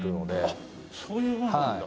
あっそういうもんなんだ。